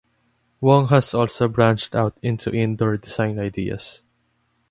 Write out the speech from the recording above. Wong has also branched out into indoor design ideas.